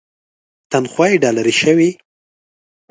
تنخوا یې ډالري شوې.